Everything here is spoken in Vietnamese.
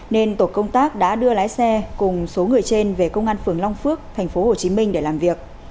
nên tổ công tác đã đưa lái xe cùng số người trên về công an phường long phước tp hcm để làm việc